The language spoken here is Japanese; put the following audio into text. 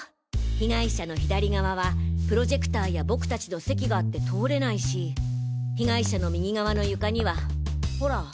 被害者の左側はプロジェクターや僕たちの席があって通れないし被害者の右側の床にはホラ。